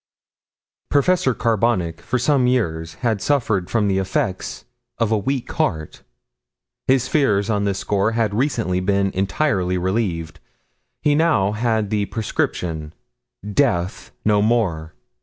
Professor Carbonic for some years had suffered from the effects of a weak heart. His fears on this score had recently been entirely relieved. He now had the prescription Death no more!